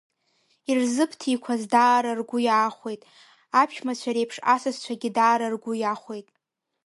Ирзыбҭиқәаз даара ргәы иаахәеит, аԥшәмацәа реиԥш асасцәагьы даара ргәы иахәеит.